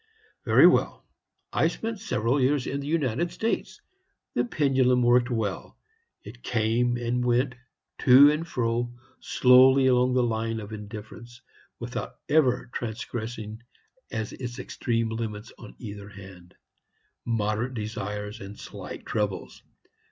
"Very well. I spent several years in the United States. The pendulum worked well. It came and went, to and fro, slowly along the line of Indifference, without ever transgressing as its extreme limits on either hand, Moderate Desires and Slight Troubles.